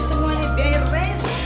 semua ini beres